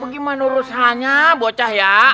gimana urusannya bocah ya